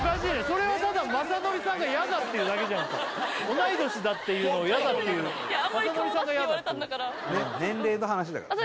それはただ雅紀さんがやだっていうだけじゃんか同い年だっていうのをやだっていう雅紀さんがやだって年齢の話だからね